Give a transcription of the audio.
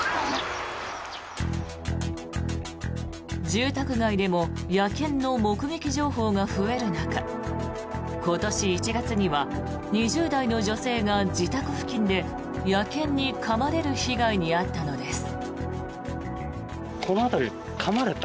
住宅街でも野犬の目撃情報が増える中今年１月には２０代の女性が自宅付近で野犬にかまれる被害に遭ったのです。